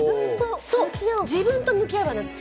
自分と向き合う場なんです。